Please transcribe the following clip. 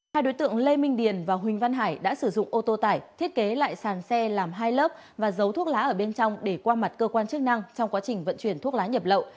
hai đối tượng lê minh điền và huỳnh văn hải đã sử dụng ô tô tải thiết kế lại sàn xe làm hai lớp và giấu thuốc lá ở bên trong để qua mặt cơ quan chức năng trong quá trình vận chuyển thuốc lá nhập lậu